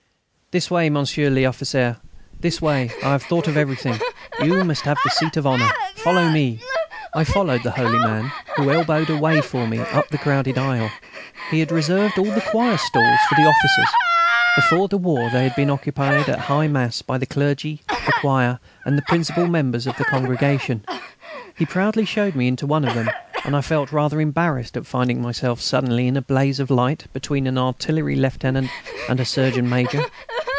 "This way, Monsieur l'Officier, this way. I have thought of everything. You must have the seat of honour. Follow me." I followed the holy man, who elbowed a way for me up the crowded aisle. He had reserved all the choir stalls for the officers. Before the war they had been occupied, at high mass, by the clergy, the choir, and the principal members of the congregation. He proudly showed me into one of them, and I felt rather embarrassed at finding myself suddenly in a blaze of light between an artillery lieutenant and a surgeon major.